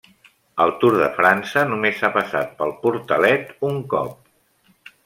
El Tour de França només ha passat pel portalet un cop.